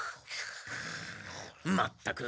まったく。